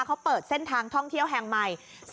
เขาเปิดเส้นทางท่องเที่ยวแห่งใหม่